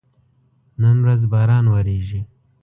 نن ورځ باران وریږي